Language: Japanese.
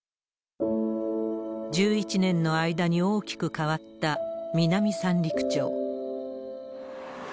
１１年の間に大きく変わった南三陸町。